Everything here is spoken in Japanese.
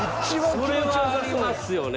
それはありますよね